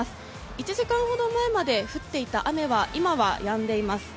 １時間ほど前まで降っていた雨は今はやんでいます。